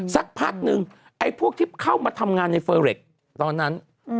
สักพักนึงไอ้พวกที่เข้ามาทำงานในเฟอร์เรคตอนนั้น